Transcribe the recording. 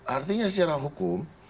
artinya secara hukum